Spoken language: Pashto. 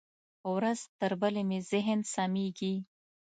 ورځ تر بلې مې ذهن سمېږي.